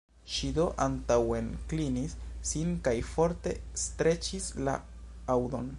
Ŝi do antaŭenklinis sin kaj forte streĉis la aŭdon.